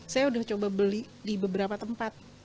saya udah coba beli di beberapa tempat